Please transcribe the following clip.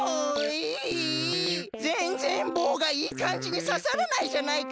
ぜんぜんぼうがいいかんじにささらないじゃないか！